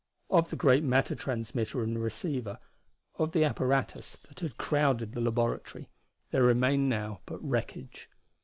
Of the great matter transmitter and receiver, of the apparatus that had crowded the laboratory, there remained now but wreckage.